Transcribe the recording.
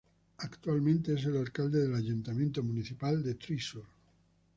Actualmente es el alcalde del Ayuntamiento Municipal de Thrissur.